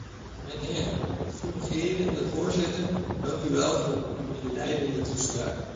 Mijnheer de fungerend voorzitter, dank u wel voor uw inleidende toespraak.